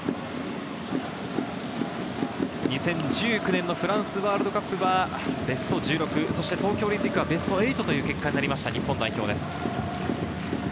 ２０１９年のフランスワールドカップは、ベスト１６、東京オリンピックはベスト８という結果になりました、日本代表です。